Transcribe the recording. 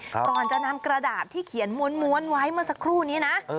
ก่อนจะนำกระดาษที่เขียนม้วนไว้เมื่อสักครู่นี้นะ